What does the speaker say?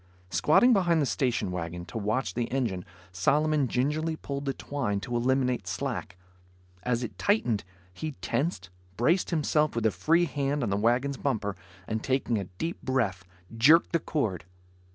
Squatting behind the station wagon, to watch the engine, Solomon gingerly pulled the twine to eliminate slack. As it tightened, he tensed, braced himself with a free hand on the wagon's bumper, and taking a deep breath, jerked the cord.